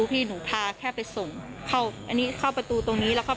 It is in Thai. ใช่น่ารักมากค่ะขยันทำงาน